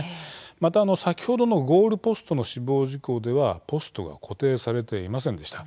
また、先ほどのゴールポストの死亡事故では、ポストが固定されておりませんでした。